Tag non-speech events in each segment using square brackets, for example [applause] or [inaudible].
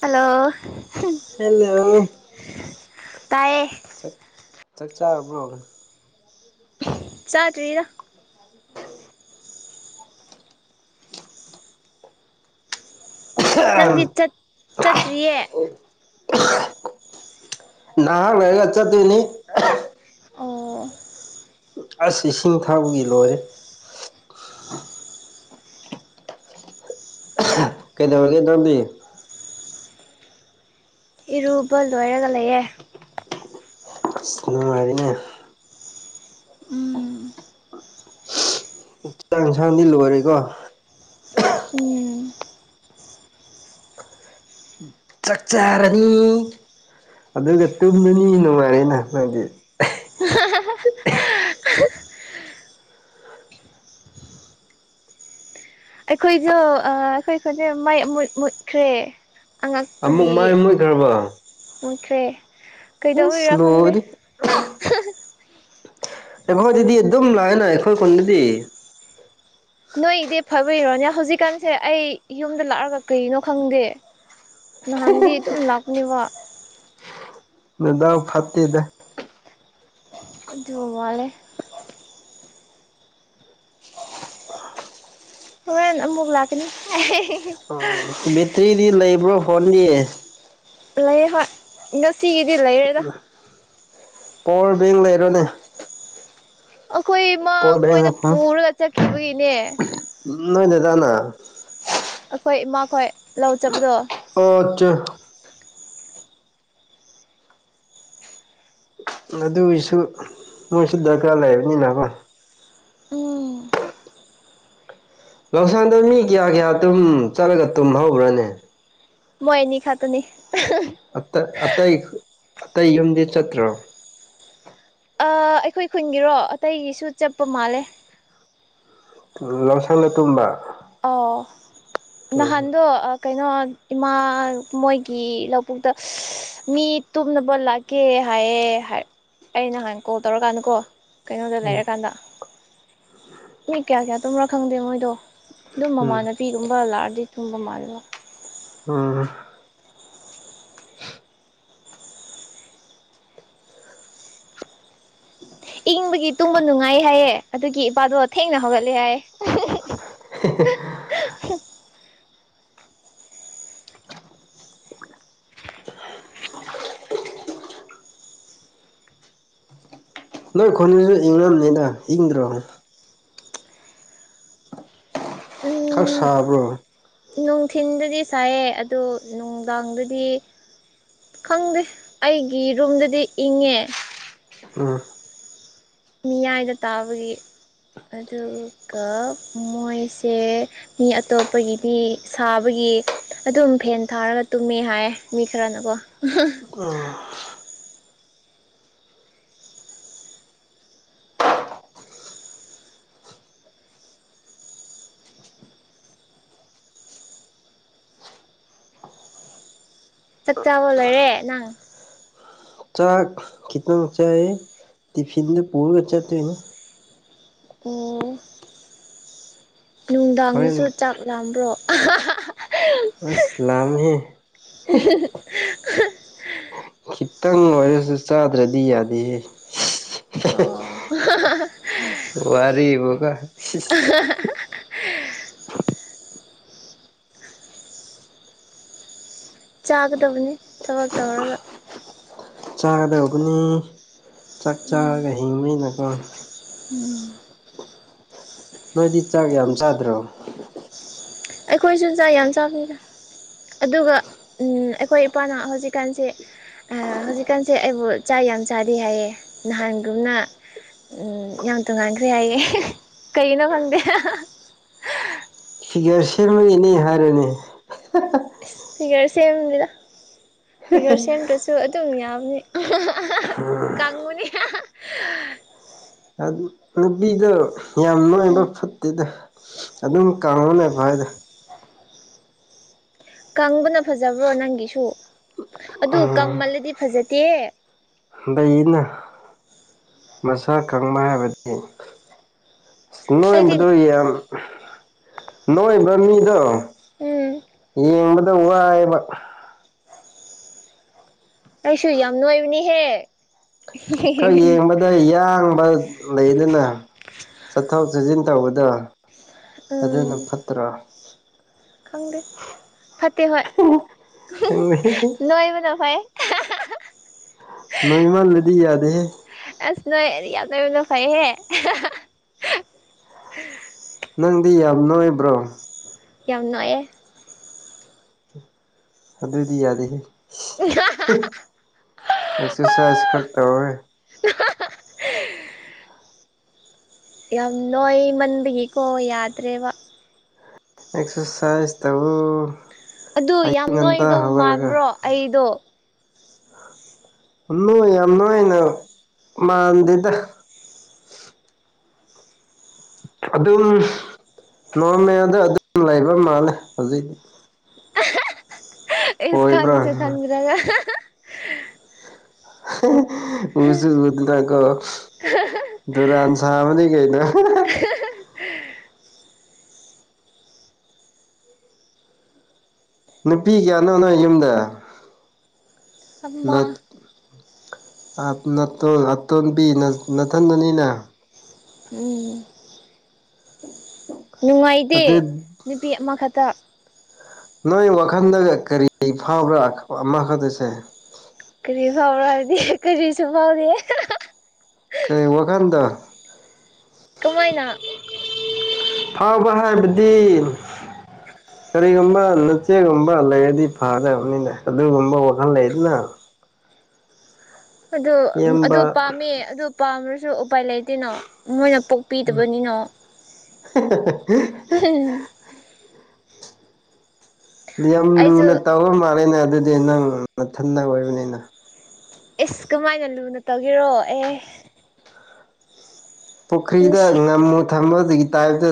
hello hello ꯇꯥꯏꯌꯦ ꯆꯥꯛ ꯆꯥꯛ ꯆꯥꯔꯕ꯭ꯔꯣ ꯆꯥꯗꯔ꯭ꯤꯗ [inaudible] ꯅꯪꯗꯤ ꯆꯠ ꯆꯠꯇ꯭ꯔꯤꯌꯦ [inaudible] ꯅꯍꯥꯛ ꯂꯩꯔꯒ ꯆꯠꯇꯣꯏꯅꯤ ꯑꯣ ꯑꯁ ꯏꯁꯤꯡ ꯊꯥꯕꯒꯤ ꯂꯣꯏꯔꯦ ꯀꯩꯗꯧꯔꯒꯦ ꯗꯣꯝꯗꯤ ꯏꯔꯨꯕ ꯂꯣꯏꯔꯒ ꯂꯩꯌꯦ ꯅꯨꯡꯉꯥꯏꯔꯤꯅꯦ ꯎꯝ ꯆꯥꯡ ꯏꯟꯁꯥꯡꯗꯤ ꯂꯣꯏꯔꯦꯀꯣ ꯎꯝ ꯆꯥꯛ ꯆꯥꯔꯅꯤ ꯑꯗꯨꯒ ꯇꯨꯝꯃꯅꯤ ꯅꯨꯡꯉꯥꯏꯌꯦꯅ ꯅꯡꯗꯤ ꯑꯩꯈꯣꯏꯁꯨ ꯑꯥ ꯑꯩꯈꯣꯏ ꯈꯨꯟꯁꯦ ꯃꯩ ꯃꯨꯠ ꯃꯨꯠꯈ꯭ꯔꯦ ꯑꯃꯨꯛ ꯑꯉꯛꯄꯒꯤ ꯃꯥꯏ ꯃꯨꯠꯈ꯭ꯔꯕ ꯃꯨꯠꯈ꯭ꯔꯦ ꯑꯁ ꯀꯩꯗꯧꯔꯤꯔꯥ ꯈꯪꯗꯦ ꯂꯣꯏꯔꯤ ꯑꯩꯈꯣꯏꯗꯗꯤ ꯑꯗꯨꯝ ꯂꯥꯛꯑꯦꯅ ꯑꯩꯈꯣꯏ ꯈꯨꯟꯗꯗꯤ ꯅꯣꯏꯗꯤ ꯐꯕꯩꯔꯣꯅꯦ ꯍꯧꯖꯤꯛꯀꯥꯟꯁꯦ ꯑꯩ ꯌꯨꯝꯗ ꯂꯥꯛꯑꯔꯒ ꯀꯩꯅꯣ ꯈꯪꯗꯦ ꯅꯍꯥꯟꯗꯤ ꯗꯨꯝ ꯂꯥꯛꯄꯅꯦꯕ ꯅꯗꯥꯎ ꯐꯠꯇꯦꯗ ꯑꯗꯨ ꯃꯥꯜꯂꯦ ꯍꯣꯔꯦꯟ ꯑꯃꯨꯛ ꯂꯥꯛꯀꯅꯤ ꯕꯦꯇ꯭ꯔꯤꯗꯤ ꯂꯩꯕ꯭ꯔꯣ ꯐꯣꯟꯗꯤ ꯂꯩ ꯍꯣꯏ ꯉꯁꯤꯒꯤꯗꯤ ꯂꯩꯔꯦꯗ ꯄꯋꯥꯔ ꯕꯦꯡ ꯂꯩꯔꯣꯅꯦ ꯑꯩꯈꯣꯏ ꯏ ꯃꯥ ꯄꯋꯥꯔ ꯃꯣꯏꯅ ꯄꯨꯔꯒ ꯆꯠꯈꯤꯕꯒꯤꯅꯦ ꯎ ꯅꯣꯏ ꯅꯣꯏ ꯇ ꯑꯩꯈꯣꯏ ꯏꯃꯥꯈꯣꯏ ꯂꯧꯖꯕꯗꯣ ꯑꯣ ꯆ ꯑꯗꯨꯒꯤꯁꯨ ꯃꯣꯏꯁꯨ ꯗꯔꯀꯥꯔ ꯂꯩꯕꯅꯤꯅꯀꯣ ꯎꯝ ꯂꯧꯁꯥꯟꯗꯣ ꯃꯤ ꯀꯌꯥ ꯀꯌꯥ ꯇꯨꯝ ꯆꯠꯂꯒ ꯇꯨꯝꯍꯧꯕ꯭ꯔꯅꯦ ꯃꯣꯏ ꯑꯦꯅꯤ ꯈ ꯇꯅꯤ ꯑ ꯑꯇꯩ ꯑꯇꯩ ꯌꯨꯝꯗꯤ ꯆꯠꯇ꯭ꯔꯣ ꯑꯩꯈꯣꯏ ꯈꯨꯟꯒꯤꯔꯣ ꯑꯇꯩꯒꯤꯁꯨ ꯆꯠꯄ ꯃꯥꯜꯂꯦ ꯂꯝꯁꯪꯗ ꯇꯨꯝꯕ ꯑꯣ ꯎꯝ ꯅꯍꯥꯟꯗ ꯀꯩꯅꯣ ꯏꯃꯥ ꯃꯣꯏꯒꯤ ꯂꯧꯕꯨꯛꯇ ꯃꯤ ꯇꯨꯝꯅꯕ ꯂꯥꯛꯀꯦ ꯑꯩ ꯍꯥꯏꯌꯦ ꯑ ꯅꯍꯥꯟ ꯀꯣꯜ ꯇꯧꯔꯀꯥꯟꯗꯀꯣ ꯀꯩꯅꯣꯗ ꯎꯝ ꯂꯩꯔꯀꯥꯟꯗ ꯃꯤ ꯀꯌꯥ ꯀꯌꯥ ꯇꯨꯝꯔꯥ ꯈꯪꯗꯦ ꯃꯣꯏꯗꯣ ꯑꯗꯨꯝ ꯎꯝ ꯃꯃꯥꯟꯅꯄꯤꯒꯨꯝꯕ ꯂꯥꯛꯑꯗꯤ ꯁꯨꯝꯕ ꯃꯥꯕ ꯎꯝ ꯏꯪꯕꯒꯤ ꯇꯨꯝꯕ ꯅꯨꯡꯉꯥꯏ ꯍꯥꯏꯌꯦꯦ ꯑꯗꯨꯒꯤ ꯏꯄꯥꯗꯣ ꯊꯦꯡꯅ ꯍꯧꯒꯠꯂꯦ ꯍꯥꯏ [unintelligible] [inaudible] ꯅꯣꯏ ꯈꯨꯟꯁꯨ ꯏꯪꯅꯕꯅꯤꯗ ꯏꯪꯗ꯭ꯔꯣ ꯈꯔ ꯎꯝ ꯁꯥꯕ꯭ꯔꯣ ꯅꯨꯡꯊꯤꯟꯗꯗꯤ ꯁꯥꯏꯌꯦ ꯑꯗꯣ ꯅꯨꯡꯗꯥꯡꯗꯗꯤ ꯈꯪꯗꯦ ꯑꯩꯒꯤ ꯔꯨꯝꯗꯗꯤ ꯏꯪꯉꯦ ꯎꯝ ꯃꯤꯌꯥꯏꯗ ꯇꯥꯕꯒꯤ ꯑꯗꯨꯒ ꯃꯣꯏꯁꯦ ꯃꯤ ꯑꯇꯣꯞꯄꯒꯤꯗꯤ ꯁꯥꯕꯒꯤ ꯑꯗꯨꯝ ꯐꯦꯟ ꯊꯥꯔꯒ ꯇꯨꯝꯃꯦ ꯍꯥꯏ ꯃꯤ ꯈꯔꯅꯀꯣ ꯎꯝ ꯆ ꯆꯕ ꯂꯩꯣꯏꯔꯦ ꯅꯪ ꯆꯥꯛ ꯈꯤꯇꯪ ꯆꯥꯏ ꯇꯤꯐꯤꯟꯗ ꯄꯨꯔꯒ ꯆꯠꯇꯣꯏꯅꯦ ꯑꯣ ꯍꯣꯔꯦꯟ ꯅꯨꯡꯗꯥꯡꯗꯁꯨ ꯆꯥꯛ ꯂꯥꯝꯕ꯭ꯔꯣ ꯑ ꯑꯂꯝꯍꯦ ꯈꯤꯇꯪ ꯑꯣꯏꯔꯁꯨ ꯆꯥꯗ꯭ꯔꯗꯤ ꯌꯥꯗꯦꯍꯦ ꯑꯣ ꯋꯥꯔꯤꯕ ꯀ ꯆꯥꯒꯗꯕꯅꯤ ꯊꯕꯛ ꯇꯧꯔꯒ ꯆꯥꯒꯗꯧꯕꯅꯤ ꯆꯥꯛ ꯆꯥꯔꯒ ꯍꯤꯡꯕꯅꯤꯅꯀꯣ ꯎꯝ ꯅꯣꯏꯗꯤ ꯆꯥꯛ ꯌꯥꯝ ꯆꯥꯗ꯭ꯔꯣ ꯑꯩꯈꯣꯏꯁꯨ ꯆꯥꯛ ꯌꯥꯝ ꯆꯥꯕꯤꯔꯦ ꯑꯗꯨꯒ ꯑꯩꯈꯣꯏ ꯏꯄꯥꯅ ꯍꯧꯖꯤꯛꯀꯥꯟꯁꯦ ꯍꯧꯖꯤꯛꯀꯥꯟꯁꯦ ꯑꯩꯕꯨ ꯆꯥ ꯌꯥꯝ ꯆꯥꯔꯤ ꯍꯥꯏꯌꯦ ꯅꯍꯥꯟꯒꯨꯝꯅ ꯎꯝ ꯌꯥꯝ ꯇꯣꯉꯥꯟꯈ꯭ꯔꯦ ꯍꯥꯏꯌꯦꯦ ꯀꯩꯅꯣ ꯈꯪꯗꯦ ꯐꯤꯒꯔ ꯁꯦꯝꯃ ꯏꯅꯦ ꯍꯥꯏꯔꯅꯦ ꯐꯤꯒꯔ ꯁꯦꯝꯕꯤꯗ ꯐꯤꯒꯔ ꯁꯦꯝꯗ꯭ꯔꯁꯨ ꯑꯗꯨꯝ ꯌꯥꯕꯅꯤ ꯀꯪꯃꯨꯅꯤ ꯅꯨꯄꯤꯗ ꯌꯥꯝ ꯣꯏꯕ ꯎꯝ ꯐꯠꯇꯦꯗ ꯑꯗꯨꯝ ꯀꯥꯥꯟꯅꯦ ꯐꯏꯗ ꯀꯪꯕꯅ ꯐꯖꯕ꯭ꯔꯣ ꯅꯪꯒꯤꯁꯨ ꯑꯗꯨ ꯎꯝ ꯀꯪꯃꯜꯂꯗꯤ ꯐꯖꯗꯦ ꯂꯩꯅ ꯃꯁꯥ ꯈꯪꯕ ꯍꯥꯏꯕꯗꯤ ꯑꯁ ꯑꯩꯗꯤ ꯅꯣꯏꯕꯗꯣ ꯌꯥꯝ ꯅꯣꯏꯕ ꯃꯤꯗꯣ ꯎꯝ ꯌꯦꯡꯕꯗ ꯋꯥꯏꯕ ꯀꯁꯨ ꯌꯥꯝ ꯅꯣꯏꯕꯅꯤꯍꯦ ꯈꯔ ꯌꯦꯡꯕꯗ ꯌꯥꯡꯕ ꯂꯩꯗꯅ ꯆꯠꯊꯣꯛ ꯆꯠꯁꯤꯟ ꯇꯧꯕꯗꯣ ꯎꯝ ꯑꯗꯨꯅ ꯐꯠꯇ꯭ꯔꯣ ꯈꯪꯗꯦ ꯐꯠꯇꯦ ꯍꯣꯏ ꯈꯪꯗꯦ ꯅꯣꯏꯕꯅ ꯐꯥꯏ ꯅꯣꯏꯃꯤ ꯃꯂꯗꯤ ꯌꯥꯗ ꯅꯣꯏꯔꯤꯌꯥꯗꯅ ꯐꯩꯍꯦ ꯅꯪꯗꯤ ꯌꯥꯝ ꯅꯣꯏꯕ꯭ꯔꯣ ꯌꯥꯝꯅꯥꯛꯑꯦ ꯑꯗꯨꯏꯗꯤ ꯌꯥꯗꯦꯍ ꯑꯦꯛꯁꯔꯁꯥꯏꯁ ꯈꯔ ꯇꯧꯔꯦ ꯌꯥꯝ ꯅꯣꯏꯃꯟꯗꯒꯤꯀꯣ ꯌꯥꯗ꯭ꯔꯦꯕ ꯑꯦꯛꯁꯔꯁꯥꯏꯁ ꯇꯕꯨ ꯑꯗꯨ ꯌꯥꯝ ꯅꯣꯏꯒꯗꯧ ꯃꯥꯟꯕ꯭ꯔꯣ ꯑꯩꯗꯣ ꯅꯣꯏ ꯌꯥꯝ ꯅꯣꯏꯅ ꯃꯥꯟꯗꯦꯗ ꯑꯗꯨꯝ ꯅꯣꯔꯃꯦꯜꯗ ꯑꯗꯨꯝ ꯂꯩꯕ ꯃꯥꯜꯂꯦ ꯍꯧꯖꯤꯛꯇꯤ ꯏꯁ ꯑꯣꯏꯕ꯭ꯔꯥ ꯈꯪꯁꯦ ꯈꯪꯗꯔꯒ ꯎꯁꯨꯗꯅ ꯀꯣ ꯗꯣꯔꯥꯟ ꯁꯝꯅꯤ ꯀꯩꯅ ꯅꯨꯄꯤ ꯀꯌꯥꯅꯣꯅꯣ ꯌꯨꯝꯗ ꯑꯃ ꯅꯠ ꯑꯇꯣꯟꯕꯤ ꯅꯅꯥꯊꯟꯗꯨꯅꯤꯅ ꯎꯝ ꯎꯝ ꯅꯨꯡꯉꯥꯏꯇꯦ ꯅꯨꯄꯤ ꯑꯃꯈꯛꯇ ꯅꯣꯏ ꯋꯥꯈꯜꯗꯒ ꯀꯔꯤ ꯐꯥꯎꯕ꯭ꯔꯥ ꯑꯃꯈꯛꯇꯁꯦ ꯀꯔꯤ ꯐꯥꯎꯔꯗꯤ ꯀꯔꯤꯁꯨ ꯐꯥꯎꯗꯤꯌꯦ ꯀꯩ ꯋꯥꯈꯟꯗ ꯀꯃꯥꯏꯅ ꯐꯥꯎꯕ ꯍꯥꯏꯕꯗꯤ [inaudible] ꯀꯩꯒꯨꯝꯕ ꯅꯆꯦꯒꯨꯝꯕ ꯂꯩꯔꯗꯤ ꯐꯗꯕꯅꯤꯅ ꯑꯗꯨꯒꯨꯝꯕ ꯋꯥꯈꯜ ꯂꯩꯗꯅ ꯑꯗꯨ ꯑꯗꯨ ꯏꯌꯥꯝꯕ ꯄꯥꯝꯃꯦ ꯑꯗꯨ ꯄꯥꯝꯃꯔꯁꯨ ꯎꯄꯥꯏ ꯂꯩꯇꯣꯏꯅꯣ ꯃꯣꯏꯅ ꯄꯣꯛꯄꯤꯗꯕꯅꯤꯅꯣ ꯍ ꯍꯝ ꯌꯥꯝ ꯑꯩꯁꯨ ꯂꯨꯅ ꯇꯧꯔ ꯃꯥꯜꯂꯦꯅꯦ ꯑꯗꯨꯗꯤ ꯅꯪ ꯃꯊꯟꯗ ꯑꯣꯏꯕꯅꯤꯅ ꯑꯦꯁ ꯀꯃꯥꯏꯅ ꯂꯨꯅ ꯇꯧꯒꯦꯔꯣ ꯑꯦ ꯄꯨꯈ꯭ꯔꯤꯗ ꯅꯨꯡꯁꯤ ꯉꯝꯃꯨ ꯊꯝꯕ ꯑꯗꯨꯒꯤ ꯇꯥꯏꯞꯇ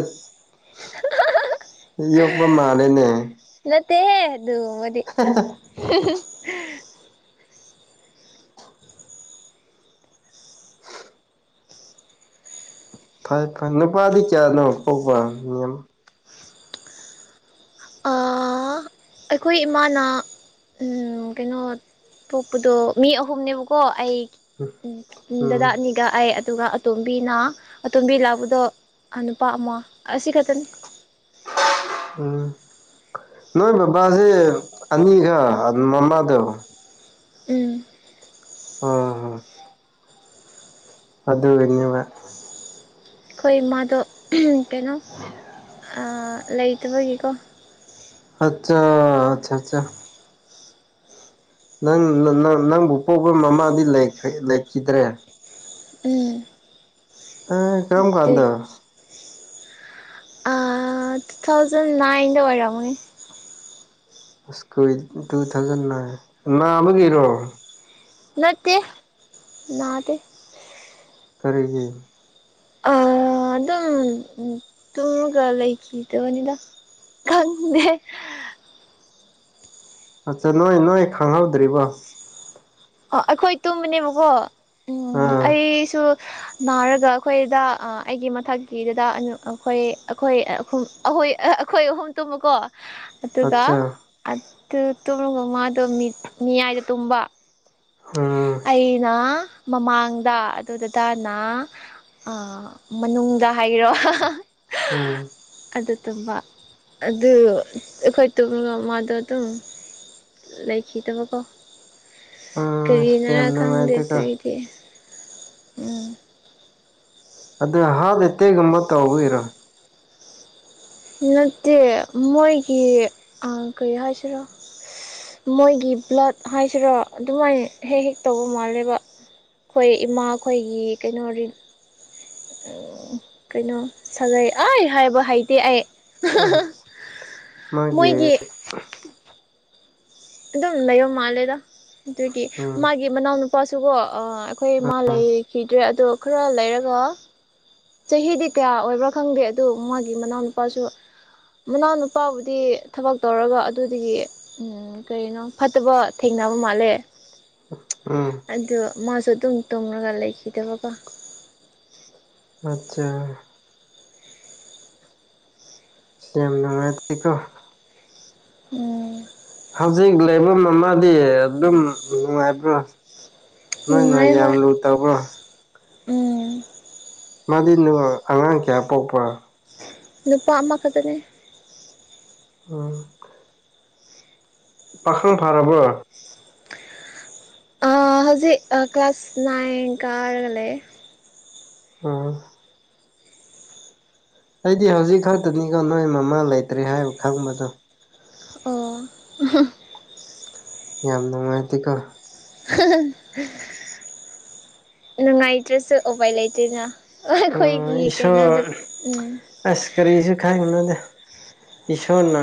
ꯌꯣꯛꯄ ꯃꯥꯜꯂꯦꯅꯦ ꯅꯠꯇꯦ ꯑꯗꯨ ꯃꯗꯤ ꯐꯩ ꯐꯩ ꯅꯨꯄꯥꯗꯤ ꯀꯌꯥꯅꯣ ꯄꯣꯛꯄ ꯑꯩꯈꯣꯏ ꯏꯃꯥꯅ ꯎꯝ ꯀꯩꯅꯣ ꯄꯣꯛꯄꯗꯣ ꯃꯤ ꯑꯍꯨꯝꯅꯦꯕꯀꯣ ꯑꯩ ꯎꯝ ꯎꯝ ꯗꯗꯥꯥꯛꯅꯤꯒ ꯑꯗꯨꯒ ꯑꯇꯣꯝꯕꯤꯅ ꯑꯇꯣꯝꯕꯤ ꯂꯥꯛꯕꯗꯣ ꯅꯨꯄꯥ ꯑꯃ ꯑꯁꯤ ꯈꯛꯇꯅꯤ ꯎꯝ ꯅꯣꯏ ꯕꯕꯥꯁꯦ ꯑꯅꯤꯒ ꯃꯃꯥꯗꯣ ꯎꯝ ꯑꯝ ꯑꯗ ꯀꯅꯤꯕ ꯑꯩꯈꯣꯏꯃꯗꯣ ꯀꯩꯅꯣ ꯂꯩꯇꯕꯒꯤꯀꯣ ꯑꯆꯥ ꯑꯆꯥ ꯑꯆꯥ ꯅ ꯅꯪꯕꯨ ꯄꯣꯛꯄ ꯃꯃꯥꯗꯤꯈ꯭ꯔ ꯂꯩꯈꯤꯗ꯭ꯔꯦ ꯑ ꯍꯧ ꯇꯨ ꯊꯥꯎꯖꯟ ꯅꯥꯏꯟꯗ ꯑꯣꯏꯔꯝꯅꯤ ꯨ ꯇꯨ ꯊꯥꯎꯖꯟ ꯅꯥꯏꯟ ꯅꯥꯕꯒꯤꯔꯣ ꯅꯠꯇꯦ ꯅꯥꯗꯤ ꯈꯔꯒ ꯑ ꯑꯗꯨꯝ ꯇꯒ ꯂꯩꯈꯤꯗꯕꯅꯤꯗ ꯀꯥꯡꯪꯅꯦ ꯑꯠꯆꯥ ꯅꯣꯏ ꯅꯣꯏ ꯈꯪꯍꯧꯗ꯭ꯔꯤꯕꯣ ꯑꯣ ꯑꯩꯈꯣꯏ ꯇꯨꯝꯕꯅꯦꯕꯀꯣ ꯎꯝ ꯑꯥ ꯑꯩꯁꯨ ꯅꯥꯔꯒ ꯑꯩꯈꯣꯏꯗ ꯑꯩꯒꯤ ꯃꯊꯛꯀꯤꯗꯨꯗ ꯑꯩꯈꯣꯏ ꯑꯩꯈꯣꯏ ꯑꯩꯈꯣꯏ ꯑꯩꯈꯣꯏ ꯑꯍꯨꯝ ꯇꯨꯝꯃꯨꯀꯣ ꯑꯗꯨꯒ ꯑꯠꯆꯥ ꯑꯗꯨ ꯆꯨꯝꯂ ꯃꯃꯥꯗꯣ ꯃꯤꯌꯥꯏꯗ ꯇꯨꯝꯕ ꯎꯝ ꯑꯩꯅ ꯃꯃꯥꯡꯗ ꯑꯗꯨ ꯗꯗꯥꯅ ꯃꯅꯨꯡꯗ ꯍꯥꯏꯔꯣ ꯑꯝ ꯑꯗꯨ ꯇꯨꯝꯕ ꯑꯗꯨ ꯑꯩꯈꯣꯏ ꯇꯨꯝꯒ ꯃꯥꯗꯣ ꯑꯗꯨꯝ ꯂꯩꯣꯏꯈꯤ ꯇꯧꯕꯀꯣ ꯑꯁ ꯀꯔꯤꯅꯔ ꯌꯥꯝ ꯅꯨꯡꯉꯥꯏꯇꯦꯀꯣ ꯈꯪꯗꯦꯗꯏꯗꯤ ꯎꯝ ꯑꯗꯨꯗ ꯍꯥꯗꯦ ꯇꯦꯒ ꯃ ꯇꯥꯎꯕ ꯏꯔ ꯅꯠꯇꯦ ꯃꯣꯏꯒꯤ ꯀꯔꯤ ꯍꯥꯏꯁꯤꯔꯣ ꯃꯣꯏꯒꯤ ꯕ꯭ꯂꯠ ꯍꯥꯏꯁꯤꯔꯣ ꯑꯗꯨꯃꯥꯏꯅ ꯍꯦꯛ ꯍꯦꯛ ꯇꯧꯕ ꯃꯥꯜꯂꯦꯕ ꯑꯩꯈꯣꯏ ꯏꯃꯥꯈꯣꯏꯒꯤ ꯀꯩꯅꯣꯔꯤ ꯀꯩꯅꯣ ꯁꯥꯒꯩ ꯑꯩ ꯍꯥꯏꯕ ꯍꯥꯏꯗꯤꯦ ꯑꯩ ꯑ ꯃꯥꯒꯤ ꯃꯣꯏꯒꯤ ꯑꯗꯨꯝ ꯂꯩꯕ ꯃꯥꯜꯂꯦꯗ ꯑꯗꯨꯒꯤ ꯎꯝ ꯃꯥꯒꯤ ꯃꯅꯥꯎꯅꯨꯄꯥ ꯅꯨꯄꯥꯁꯨꯒꯣ ꯑꯩꯈꯣꯏ ꯃꯥ ꯂꯩꯈꯤꯗ꯭ꯔꯦ ꯑꯗꯣ ꯈꯔ ꯂꯩꯔꯒ ꯆꯍꯤꯗꯤ ꯀꯌꯥ ꯑꯣꯏꯕ꯭ꯔꯥ ꯈꯪꯗꯦ ꯑꯗꯨ ꯃꯥꯒꯤ ꯃꯅꯥꯎꯅꯨꯄꯥꯁꯨ ꯃꯅꯥꯎꯅꯨꯄꯥꯕꯨꯗꯤ ꯊꯕꯛ ꯇꯧꯔꯒ ꯑꯗꯨꯗꯒꯤ ꯀꯩꯅꯣ ꯐꯠꯇꯕ ꯊꯦꯡꯅꯕ ꯃꯥꯜꯂꯦ ꯎꯝ ꯑꯗꯨ ꯃꯥꯁꯨ ꯑꯗꯨꯝ ꯇꯨꯝꯉꯒ ꯂꯩꯈꯤꯗꯕꯀ ꯑꯆꯥ ꯁꯤ ꯌꯥꯝ ꯅꯨꯡꯉꯥꯏꯇꯦꯀꯣ ꯎꯝ ꯍꯧꯖꯤꯛ ꯂꯩꯐꯝ ꯑꯃꯗꯤ ꯑꯗꯨꯝ ꯅꯨꯡꯉꯥꯏꯕ꯭ꯔꯥ ꯅꯣꯏ ꯅꯣꯏ ꯅꯨꯡꯉꯥꯏ ꯌꯥꯝ ꯍꯣꯏ ꯂꯨ ꯇꯧꯕ꯭ꯔꯣ ꯎꯝ ꯃꯥꯗꯤ ꯑꯉꯥꯡ ꯀꯌꯥ ꯄꯣꯛꯄ ꯅꯨꯄꯥ ꯑꯃ ꯑꯃ ꯈꯇꯅꯦ ꯎꯝ ꯄꯥꯈꯪ ꯐꯥꯔꯕ꯭ꯔꯣ ꯍꯧꯖꯤꯛ ꯀ꯭ꯂꯥꯁ ꯅꯥꯏꯟ ꯀꯥꯔꯒꯂꯦ ꯑꯝ ꯑꯩꯗꯤ ꯍꯧꯖꯤꯛ ꯈꯛꯇꯅꯤꯀꯣ ꯅꯣꯏ ꯃꯃꯥ ꯂꯩꯇ꯭ꯔꯦ ꯍꯥꯏꯕ ꯈꯪꯕꯗꯣ ꯑꯣ ꯌꯥꯝ ꯅꯨꯡꯉꯥꯏꯇꯦꯀꯣꯣ ꯅꯨꯡꯉꯥꯏꯇ꯭ꯔꯁꯨ ꯎꯄꯥꯏ ꯂꯩꯇꯦꯅ ꯑꯣ ꯑꯩꯈꯣꯏꯒꯤ ꯏꯁ ꯀꯩꯅꯣꯗ ꯎꯝ ꯑꯁ ꯀꯔꯤꯁꯨ ꯈꯥꯏꯒꯅꯣꯗ ꯏꯁꯣꯔꯅ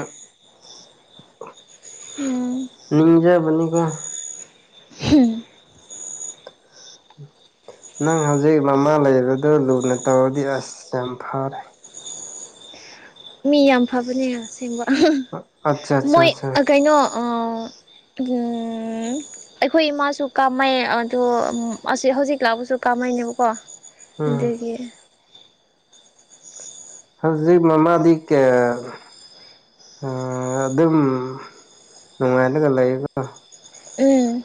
ꯎꯝ ꯅꯤꯡꯖ ꯄꯅꯤꯀꯣ ꯎꯝ ꯅꯪ ꯍꯧꯖꯤꯛ ꯃꯃꯥ ꯂꯩꯕꯗꯨ ꯂꯨꯅ ꯇꯧꯔꯗꯤ ꯑꯁ ꯌꯥꯝ ꯐꯥꯔꯦ ꯃꯤ ꯌꯥꯝ ꯐꯕꯅꯦ ꯑꯁꯦꯡꯕ ꯑꯠꯆꯥ ꯑꯠꯆꯥ ꯃꯣꯏ ꯑꯠꯆꯥ ꯀꯩꯅꯣ ꯑꯩꯈꯣꯏ ꯏꯃꯥꯁꯨ ꯀꯥꯃꯩ ꯑꯗꯣ ꯍꯧꯖꯤꯛ ꯂꯥꯛꯕꯁꯨ ꯀꯥꯝꯃꯩ ꯅꯦꯕꯀꯣ ꯎꯝ ꯑꯗꯨꯒꯤ ꯍꯧꯖꯤꯛ ꯃꯃꯥꯗꯤ ꯀ ꯑ ꯑ ꯑꯗꯨ ꯃꯨꯉꯥꯏ ꯀꯂ ꯎꯝ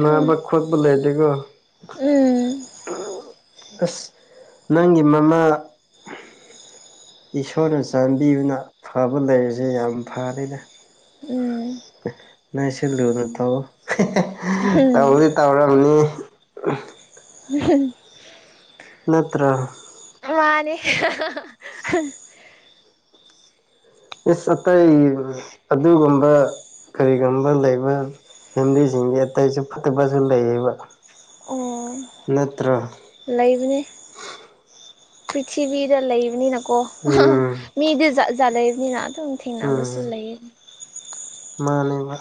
ꯅꯕ ꯈꯣꯠꯕꯨ ꯂꯩꯦꯇꯒꯣ ꯎꯝ ꯑꯁ ꯅꯪꯒꯤ ꯃꯃꯥ ꯏꯁꯣꯔꯅ ꯆꯥꯟꯕꯤꯌꯨꯅ ꯐꯕ ꯂꯩꯔꯤꯁꯦ ꯌꯥꯝ ꯐꯔꯦꯅꯦ ꯎꯝ ꯅꯣꯏ ꯁꯤ ꯂꯨꯅ ꯇꯧ ꯇꯧꯗꯤ ꯇꯧꯔꯝꯅꯤ [unintelligible] ꯎꯝ ꯅꯠꯇ꯭ꯔ ꯃꯥꯅꯦ ꯏꯁ ꯑꯇꯩ ꯑꯗꯨꯒꯨꯝꯕ ꯀꯔꯤꯒꯨꯝꯕ ꯂꯩꯕ ꯐꯦꯃꯤꯂꯤꯁꯤꯡꯗꯤ ꯑꯇꯩꯁꯨ ꯐꯠꯇꯕꯁꯨ ꯂꯩꯌꯦꯕ ꯑꯣ ꯅꯠꯇ꯭ꯔ ꯂꯩꯕꯅꯦ ꯄ꯭ꯔꯤꯊꯤꯕꯤꯗ ꯂꯩꯕꯅꯤꯅ ꯀꯣ ꯎꯝ ꯃꯤꯗꯤꯖꯂꯕꯅꯤꯅ ꯑꯗꯨꯝ ꯊꯦꯡꯅꯕꯁꯨ ꯎꯝ ꯂꯩꯌꯦ ꯃꯥꯅꯦꯕ